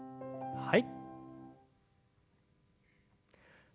はい。